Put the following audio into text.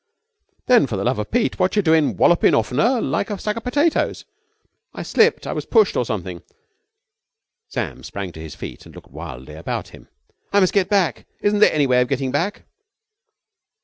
"Then, for the love of Pete, wotcha doin' walloping off'n her like a sack of potatoes?" "I slipped. I was pushed or something." Sam sprang to his feet and looked wildly about him. "I must get back. Isn't there any way of getting back?"